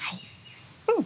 うん。